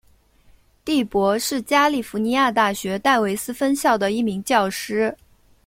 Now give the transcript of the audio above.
第伯是加利福尼亚大学戴维斯分校的一名教师。